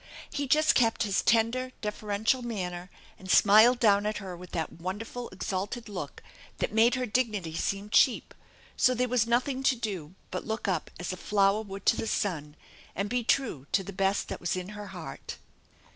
He just kept his tender, deferential manner, and smiled down at her with that wonderful, exalted look that made her dignity seem cheap ; so there was nothing to do but look up as a flower would to the sun and be true to the best that was in her heart.